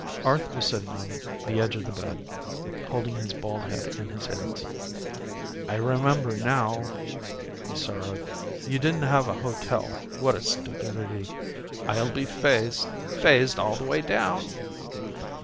Arth was sitting on the edge of the bed holding his bald head in his hands. "I remember now," he sorrowed. "You didn't have a hotel. What a stupidity. I'll be phased. Phased all the way down."